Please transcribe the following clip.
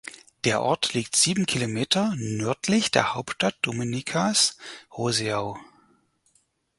Der Ort liegt sieben Kilometer nördlich der Hauptstadt Dominicas Roseau.